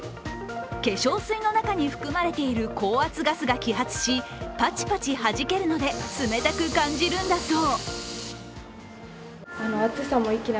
化粧水の中に含まれている高圧ガスが揮発し、パチパチはじけるので冷たく感じるんだそう。